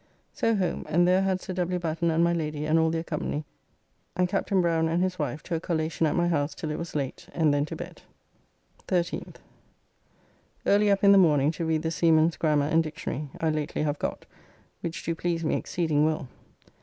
So, home, and there had Sir W. Batten and my Lady and all their company and Capt. Browne and his wife to a collation at my house till it was late, and then to bed. 13th. Early up in the morning to read "The Seaman's Grammar and Dictionary" I lately have got, which do please me exceeding well.